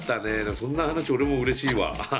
そんな話俺もうれしいわ。